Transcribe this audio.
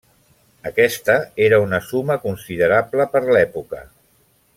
Aquesta era una suma considerable per l'època.